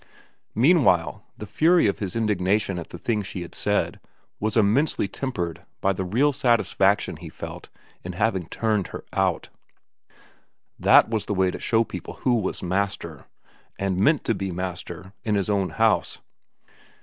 Meanwhile the fury of his indignation at the things she had said was immensely tempered by the real satis faction he felt in having turned her out. That was the way to show people who was master, and meant to be master, in his own house.